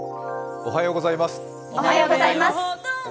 おはようございます。